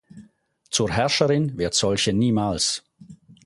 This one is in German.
Zur Herrscherin wird solche niemals.